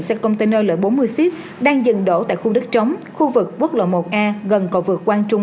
xe container l bốn mươi f đang dần đổ tại khu đất trống khu vực quốc lộ một a gần cầu vực quang trung